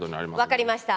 わかりました。